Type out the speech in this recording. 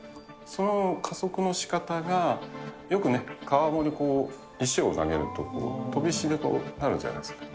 その加速のしかたが、よくね、川面に石を投げるとこう、飛び石でなるじゃないですか。